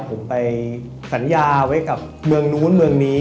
ผมไปสัญญาไว้กับเมืองนู้นเมืองนี้